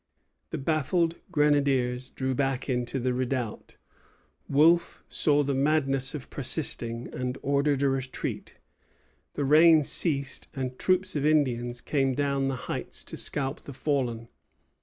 The baffled grenadiers drew back into the redoubt. Wolfe saw the madness of persisting, and ordered a retreat. The rain ceased, and troops of Indians came down the heights to scalp the fallen.